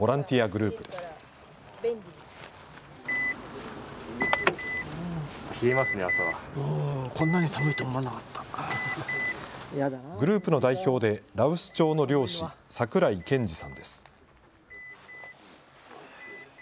グループの代表で羅臼町の漁師、桜井憲二さんです。